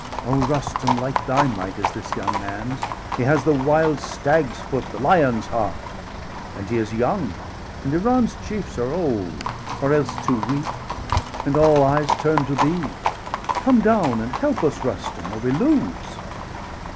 O Rustum, like thy might is this young man's! 215 He has the wild stag's foot, the lion's heart; And he is young, and Iran's° chiefs are old, °217 Or else too weak; and all eyes turn to thee. Come down and help us, Rustum, or we lose!"